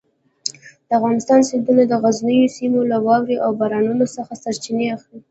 د افغانستان سیندونه د غرنیو سیمو له واورو او بارانونو څخه سرچینه اخلي.